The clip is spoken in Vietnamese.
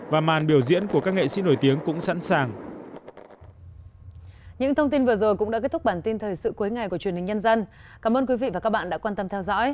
và màn biểu diễn của các nghệ sĩ nổi tiếng cũng sẵn sàng